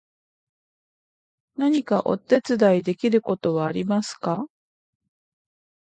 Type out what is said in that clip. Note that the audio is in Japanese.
何かお手伝いできることはありますか？